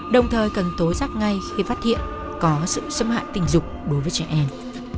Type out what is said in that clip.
đồng thời cần tối giác ngay khi phát hiện có sự xâm hạn tình dục đối với trẻ em